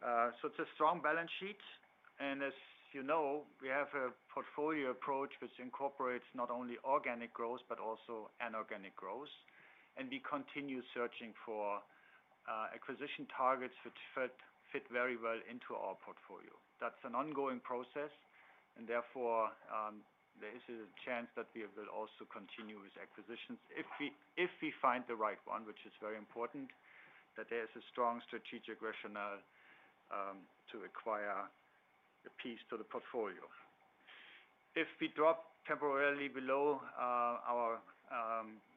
It is a strong balance sheet. As you know, we have a portfolio approach which incorporates not only organic growth but also inorganic growth. We continue searching for acquisition targets which fit very well into our portfolio. That is an ongoing process. Therefore, there is a chance that we will also continue with acquisitions if we find the right one, which is very important, that there is a strong strategic rationale to acquire a piece to the portfolio. If we drop temporarily below our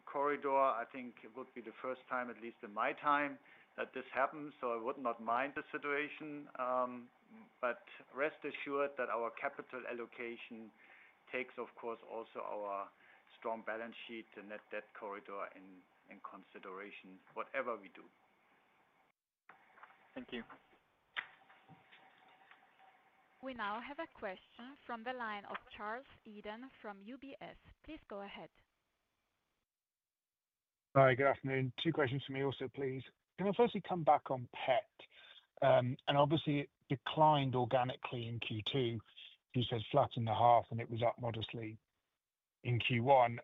corridor, I think it would be the first time, at least in my time, that this happens. I would not mind the situation. Rest assured that our capital allocation takes, of course, also our strong balance sheet and net debt corridor in consideration, whatever we do. Thank you. We now have a question from the line of Charles Eden from UBS. Please go ahead. Hi, good afternoon. Two questions for me also, please. Can I firstly come back on Pet? And obviously, it declined organically in Q2. You said flat in the half, and it was up modestly in Q1.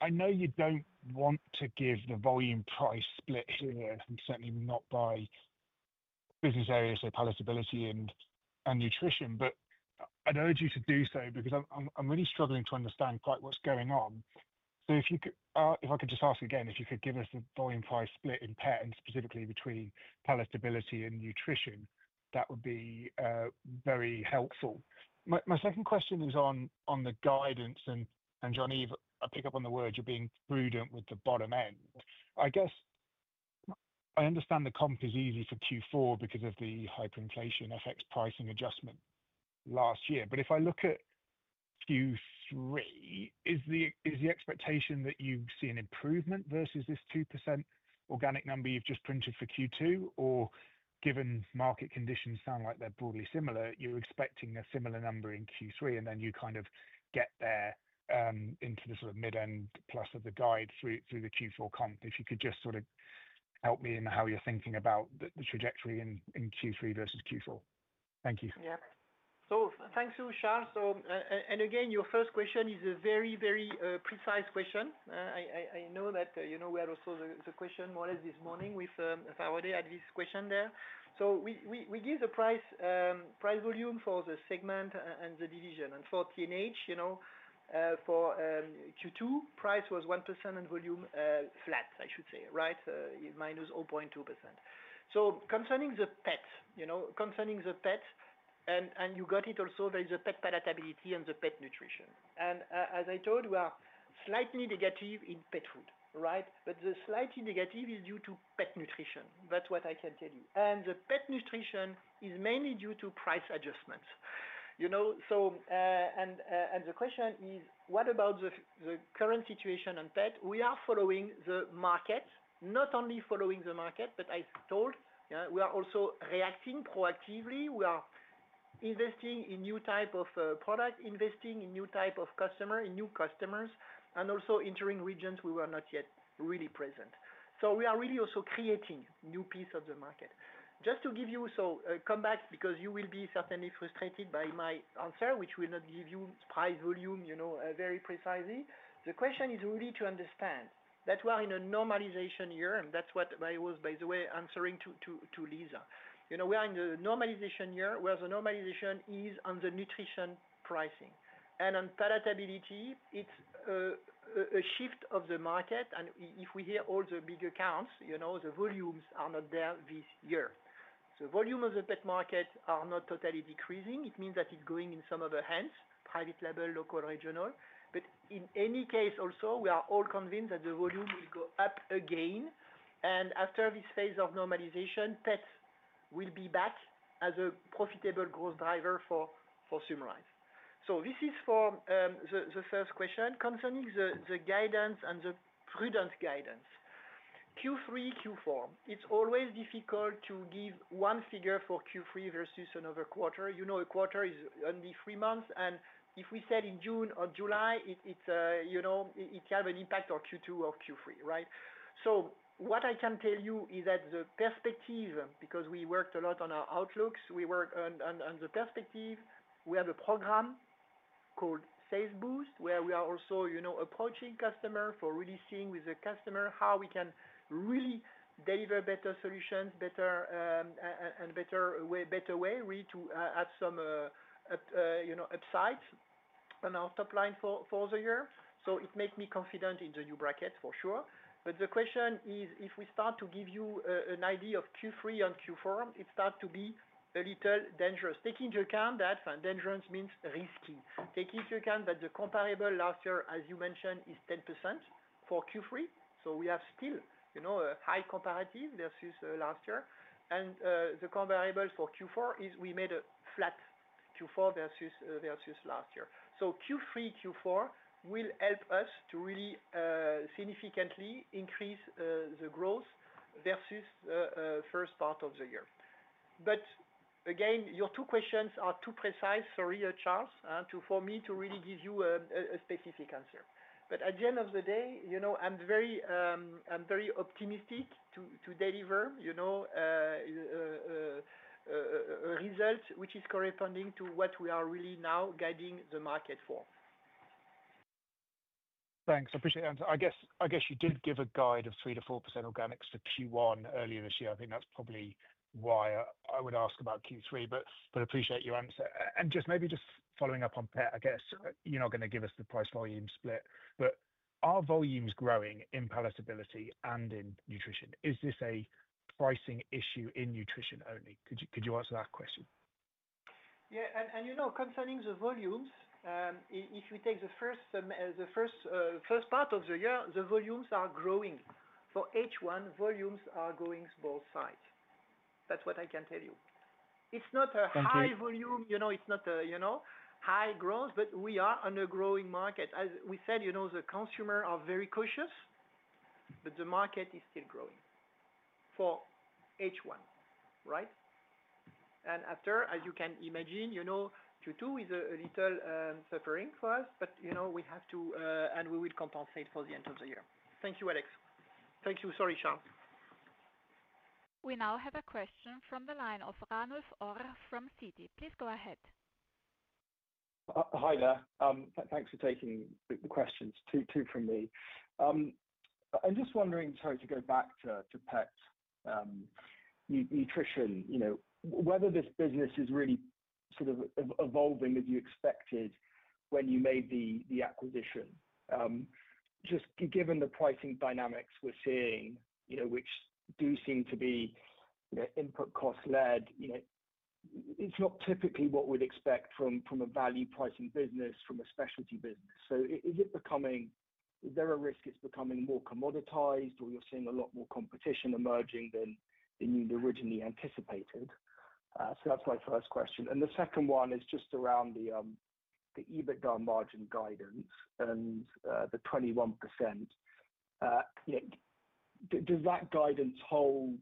I know you do not want to give the volume price split here, and certainly not by business areas, so Palatability and Nutrition, but I would urge you to do so because I am really struggling to understand quite what is going on. If I could just ask again, if you could give us the volume price split in Pet and specifically between Palatability and Nutrition, that would be very helpful. My second question is on the guidance. Jean-Yves, I pick up on the word you are being prudent with the bottom end. I guess I understand the comp is easy for Q4 because of the hyperinflation FX pricing adjustment last year. If I look at Q3, is the expectation that you see an improvement versus this 2% organic number you have just printed for Q2? Or given market conditions sound like they are broadly similar, you are expecting a similar number in Q3, and then you kind of get there into the sort of mid-end plus of the guide through the Q4 comp? If you could just sort of help me in how you are thinking about the trajectory in Q3 versus Q4. Thank you. Yeah. Thanks to Charles. Again, your first question is a very, very precise question. I know that we had also the question more or less this morning with Faraday had this question there. We give the price volume for the segment and the division. For TNH, for Q2, price was 1% and volume flat, I should say, right? Minus 0.2%. Concerning the Pet, concerning the Pet, and you got it also, there is a Pet Palatability and the Pet Nutrition. As I told, we are slightly negative in Pet Food, right? The slightly negative is due to Pet Nutrition. That's what I can tell you. The Pet Nutrition is mainly due to price adjustments. The question is, what about the current situation on pet? We are following the market, not only following the market, but I told, we are also reacting proactively. We are investing in new types of products, investing in new types of customers, and also entering regions we were not yet really present. We are really also creating new pieces of the market. Just to give you, come back because you will be certainly frustrated by my answer, which will not give you price volume very precisely. The question is really to understand that we are in a normalization year, and that's what I was, by the way, answering to Lisa. We are in the normalization year where the normalization is on the nutrition pricing. On Palatability, it's a shift of the market. If we hear all the bigger accounts, the volumes are not there this year. The volume of the pet market are not totally decreasing. It means that it's going in some other hands, private level, local, regional. In any case, also, we are all convinced that the volume will go up again. After this phase of normalization, pet will be back as a profitable growth driver for Symrise. This is for the first question. Concerning the guidance and the prudent guidance, Q3, Q4, it's always difficult to give one figure for Q3 versus another quarter. A quarter is only three months. If we said in June or July, it can have an impact on Q2 or Q3, right? What I can tell you is that the perspective, because we worked a lot on our outlooks, we work on the perspective. We have a program called Sales Boost, where we are also approaching customers for really seeing with the customer how we can really deliver better solutions, better way to add some upsides on our top line for the year. It makes me confident in the new bracket, for sure. The question is, if we start to give you an idea of Q3 and Q4, it starts to be a little dangerous. Taking into account that dangerous means risky. Taking into account that the comparable last year, as you mentioned, is 10% for Q3. We have still a high comparative versus last year. The comparable for Q4 is we made a flat Q4 versus last year. Q3, Q4 will help us to really significantly increase the growth versus the first part of the year. Again, your two questions are too precise, sorry, Charles, for me to really give you a specific answer. At the end of the day, I am very optimistic to deliver a result which is corresponding to what we are really now guiding the market for. Thanks. I appreciate the answer. I guess you did give a guide of 3%-4% organics for Q1 earlier this year. I think that's probably why I would ask about Q3, but appreciate your answer. Just maybe just following up on Pet, I guess you're not going to give us the price volume split, but are volumes growing in Palatability and in Nutrition? Is this a pricing issue in nutrition only? Could you answer that question? Yeah. Concerning the volumes, if we take the first part of the year, the volumes are growing. For H1, volumes are going both sides. That's what I can tell you. It's not a high volume. It's not a high growth, but we are on a growing market. As we said, the consumers are very cautious. The market is still growing for H1, right? After, as you can imagine, Q2 is a little suffering for us, but we have to, and we will compensate for the end of the year. Thank you, Alex. Thank you. Sorry, Charles. We now have a question from the line of Ranulf Orr from Citi. Please go ahead. Hi there. Thanks for taking the questions. Two from me. I'm just wondering, sorry to go back to Pet Nutrition, whether this business is really sort of evolving as you expected when you made the acquisition. Just given the pricing dynamics we're seeing, which do seem to be input cost-led. It's not typically what we'd expect from a value-pricing business, from a specialty business. Is it becoming, is there a risk it's becoming more commoditized, or you're seeing a lot more competition emerging than you'd originally anticipated? That's my first question. The second one is just around the EBITDA margin guidance and the 21%. Does that guidance hold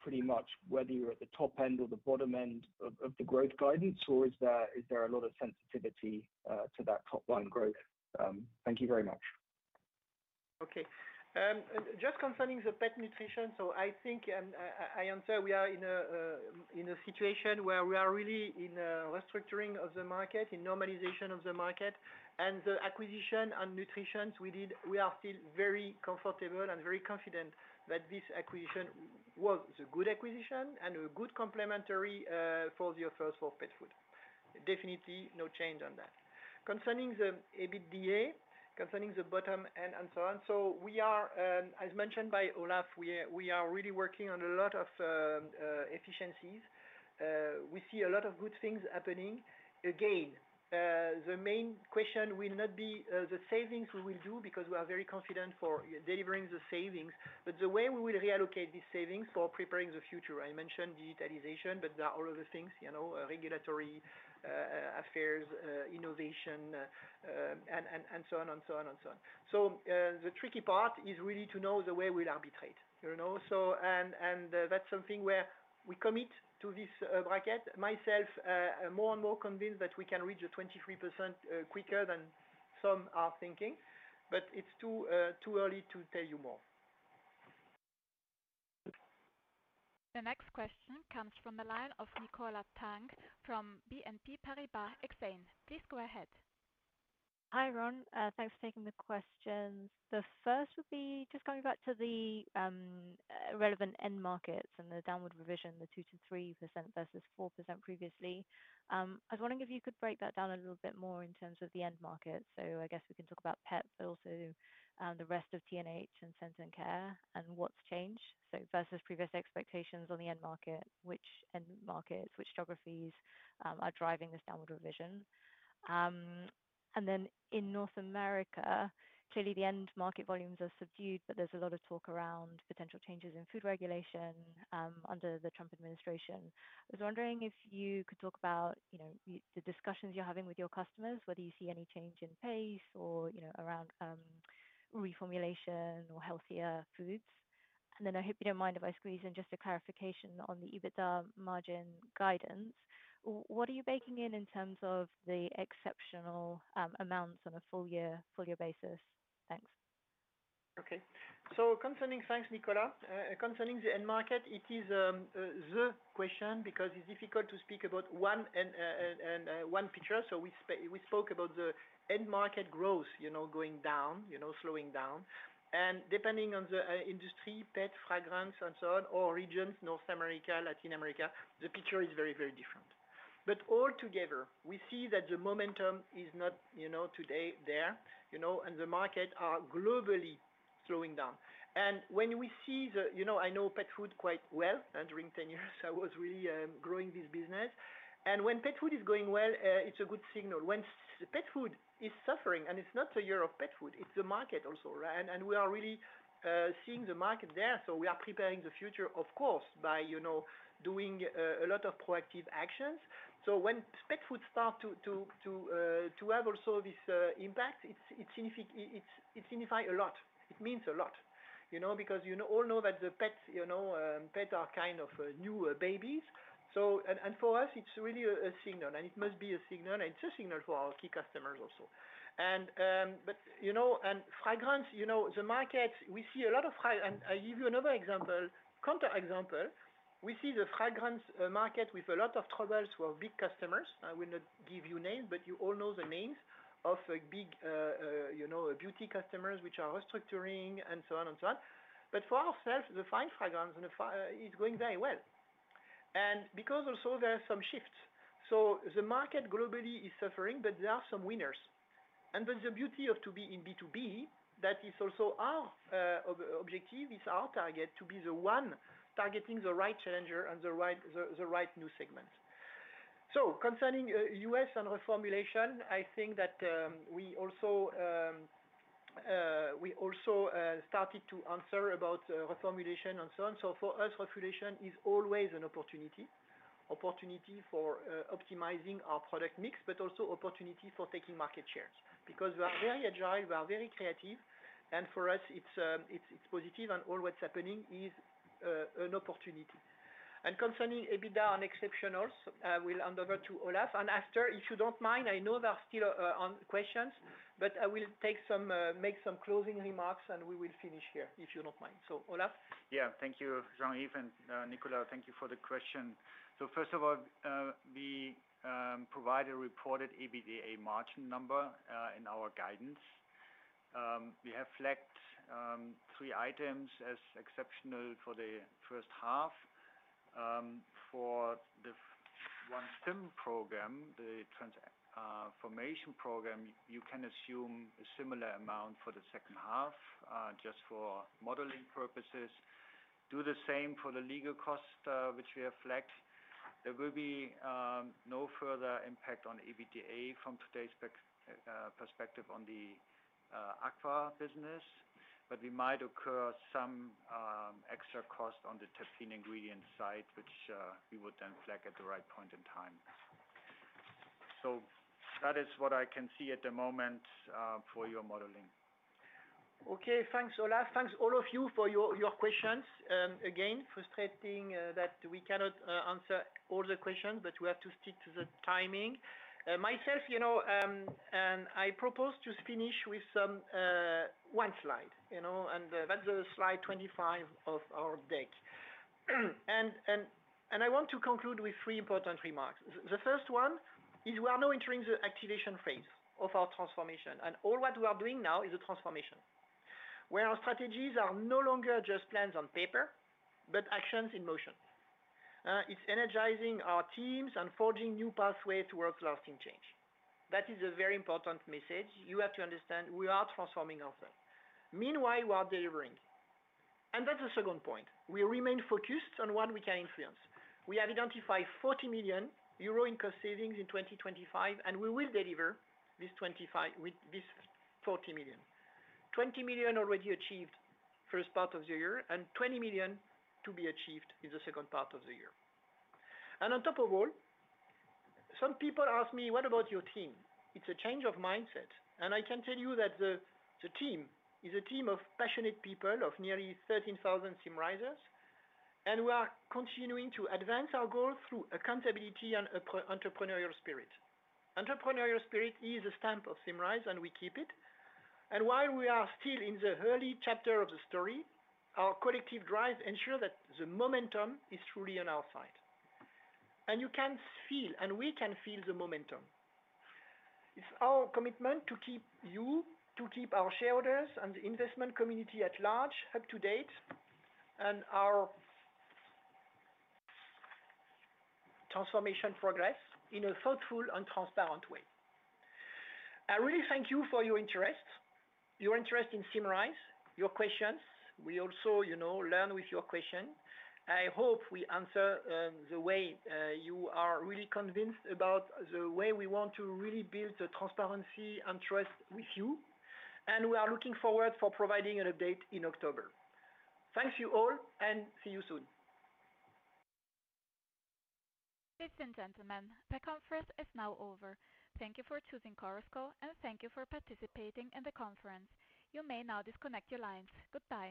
pretty much whether you're at the top end or the bottom end of the growth guidance, or is there a lot of sensitivity to that top-line growth? Thank you very much. Okay. Just concerning the Pet Nutrition, I think I answer we are in a situation where we are really in restructuring of the market, in normalization of the market. And the acquisition and nutritions we did, we are still very comfortable and very confident that this acquisition was a good acquisition and a good complementary for the offers for Pet Food. Definitely no change on that. Concerning the EBITDA, concerning the bottom end and so on, we are, as mentioned by Olaf, we are really working on a lot of efficiencies. We see a lot of good things happening. Again, the main question will not be the savings we will do because we are very confident for delivering the savings, but the way we will reallocate these savings for preparing the future. I mentioned digitalization, but there are all other things, regulatory affairs, innovation, and so on and so on and so on. The tricky part is really to know the way we'll arbitrate. That is something where we commit to this bracket. Myself, more and more convinced that we can reach the 23% quicker than some are thinking, but it's too early to tell you more. The next question comes from the line of Nicola Tang from BNP Paribas Exane. Please go ahead. Hi, Ron. Thanks for taking the questions. The first would be just coming back to the relevant end markets and the downward revision, the 2%-3% versus 4% previously. I was wondering if you could break that down a little bit more in terms of the end market. I guess we can talk about pet, but also the rest of TNH and Scent & Care and what's changed. Versus previous expectations on the end market, which end markets, which geographies are driving this downward revision? In North America, clearly the end market volumes are subdued, but there's a lot of talk around potential changes in food regulation under the Trump administration. I was wondering if you could talk about the discussions you're having with your customers, whether you see any change in pace or around reformulation or healthier foods. I hope you don't mind if I squeeze in just a clarification on the EBITDA margin guidance. What are you baking in in terms of the exceptional amounts on a full-year basis? Thanks. Okay. So concerning, thanks, Nicola. Concerning the end market, it is the question because it's difficult to speak about one picture. We spoke about the end market growth going down, slowing down. Depending on the industry, pet, fragrance, and so on, or regions, North America, Latin America, the picture is very, very different. All together, we see that the momentum is not today there, and the markets are globally slowing down. When we see the, I know Pet Food quite well. During 10 years, I was really growing this business. When Pet Food is going well, it's a good signal. When Pet Food is suffering, and it's not a year of Pet Food, it's the market also, right? We are really seeing the market there. We are preparing the future, of course, by doing a lot of proactive actions. When Pet Food starts to have also this impact, it signifies a lot. It means a lot. You all know that the pets are kind of new babies. For us, it's really a signal. It must be a signal. It's a signal for our key customers also. Fragrance, the market, we see a lot of, and I'll give you another example, counter example, we see the fragrance market with a lot of troubles for big customers. I will not give you names, but you all know the names of big beauty customers which are restructuring and so on and so on. For ourselves, the fine fragrance is going very well. Because also there are some shifts. The market globally is suffering, but there are some winners. The beauty of to be in B2B, that is also our objective, is our target to be the one targeting the right challenger and the right new segment. Concerning U.S. and reformulation, I think that we also started to answer about reformulation and so on. For us, reformulation is always an opportunity. Opportunity for optimizing our product mix, but also opportunity for taking market shares. We are very agile, we are very creative, and for us, it's positive and all what's happening is an opportunity. Concerning EBITDA and exceptionals, I will hand over to Olaf. After, if you don't mind, I know there are still questions, but I will make some closing remarks and we will finish here if you don't mind. Olaf. Yeah. Thank you, Jean-Yves. And Nicola, thank you for the question. First of all, we provide a reported EBITDA margin number in our guidance. We have flagged three items as exceptional for the first half. For the ONE SYM program, you can assume a similar amount for the second half just for modeling purposes. Do the same for the legal cost, which we have flagged. There will be no further impact on EBITDA from today's perspective on the Aquafit business, but we might incur some extra cost on the terpene ingredient side, which we would then flag at the right point in time. That is what I can see at the moment for your modeling. Okay. Thanks, Olaf. Thanks all of you for your questions. Again, frustrating that we cannot answer all the questions, but we have to stick to the timing. Myself, I propose to finish with one slide, and that's slide 25 of our deck. I want to conclude with three important remarks. The first one is we are now entering the activation phase of our transformation, and all what we are doing now is a transformation where our strategies are no longer just plans on paper, but actions in motion. It's energizing our teams and forging new pathways towards lasting change. That is a very important message. You have to understand we are transforming ourselves. Meanwhile, we are delivering. That's the second point. We remain focused on what we can influence. We have identified 40 million euro in cost savings in 2025, and we will deliver this 2025 with this 40 million. 20 million already achieved first part of the year, and 20 million to be achieved in the second part of the year. On top of all, some people ask me, "What about your team?" It's a change of mindset. I can tell you that the team is a team of passionate people of nearly 13,000 Symrisers, and we are continuing to advance our goal through accountability and entrepreneurial spirit. Entrepreneurial spirit is a stamp of Symrise, and we keep it. While we are still in the early chapter of the story, our collective drive ensures that the momentum is truly on our side. You can feel, and we can feel the momentum. It's our commitment to keep you, to keep our shareholders and the investment community at large, up to date, and our transformation progress in a thoughtful and transparent way. I really thank you for your interest, your interest in Symrise, your questions. We also learn with your questions. I hope we answer the way you are really convinced about the way we want to really build transparency and trust with you. We are looking forward to providing an update in October. Thanks you all, and see you soon. Ladies and gentlemen, the conference is now over. Thank you for choosing Coroscore, and thank you for participating in the conference. You may now disconnect your lines. Goodbye.